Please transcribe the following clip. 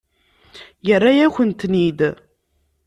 Yerra-yakent-tent-id.